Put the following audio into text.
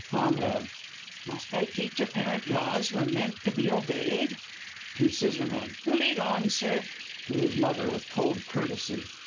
Con. Must I teach A parent laws were meant to be obeyed? [To Sc.] Lead on, Sir. (_To his Mother with cold courtesy.